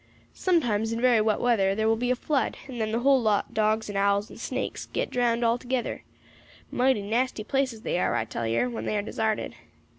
Sometimes, in very wet weather, thar will be a flood, and then the whole lot, dogs and owls and snakes, get drowned all together. Mighty nasty places they are, I tell yer, when they are desarted.